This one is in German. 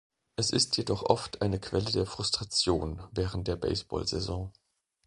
Es ist jedoch oft eine Quelle der Frustration während der Baseball-Saison.